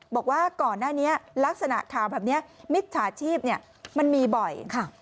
บอกว่าก่อนหน้านี้ลักษณะทางมิจฉาชีพมันมีบ่อย